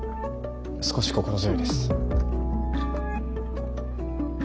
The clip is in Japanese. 少し心強いです。